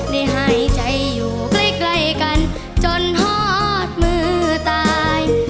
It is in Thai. ได้หายใจอยู่ใกล้กันจนทอดมือตาย